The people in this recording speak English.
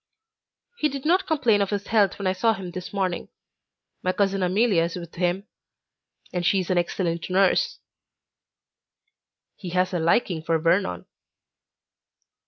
"He did not complain of his health when I saw him this morning. My cousin Amelia is with him, and she is an excellent nurse." "He has a liking for Vernon."